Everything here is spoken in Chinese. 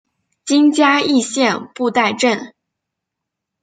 今嘉义县布袋镇。